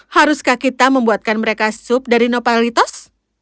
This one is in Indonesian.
haruskah kita membuatkan mereka sup dari novalitas